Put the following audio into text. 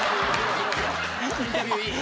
インタビューいい。